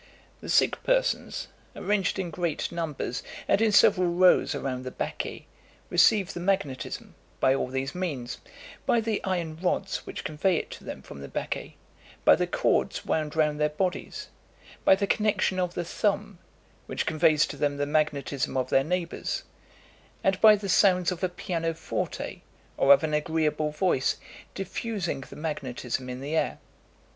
"The sick persons, arranged in great numbers and in several rows around the baquet, receive the magnetism, by all these means: by the iron rods which convey it to them from the baquet by the cords wound round their bodies by the connexion of the thumb, which conveys to them the magnetism of their neighbours and by the sounds of a piano forte, or of an agreeable voice, diffusing the magnetism in the air.